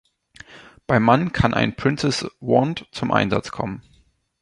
Beim Mann kann ein Prince’s Wand zum Einsatz kommen.